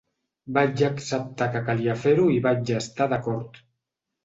Vaig acceptar que calia fer-ho i hi vaig estar d’acord.